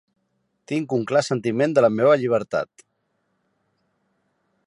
Tinc un clar sentiment de la meva llibertat.